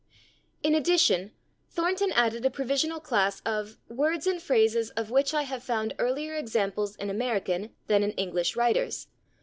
In addition, Thornton added a provisional class of "words and phrases of which I have found earlier examples in American than in English writers